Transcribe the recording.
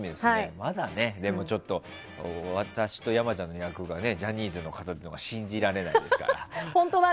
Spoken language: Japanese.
まだでもちょっと私と山ちゃんの役がジャニーズの方っていうのが信じられないですから。